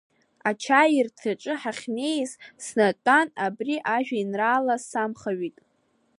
Ачаирҭаҿ ҳахьнеиз, снатәан, абри ажәеинраала самхаҩит.